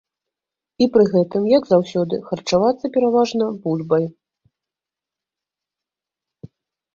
І пры гэтым, як заўсёды, харчавацца пераважна бульбай.